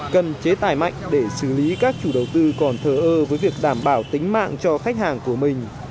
cần chế tài mạnh để xử lý các chủ đầu tư còn thờ ơ với việc đảm bảo tính mạng cho khách hàng của mình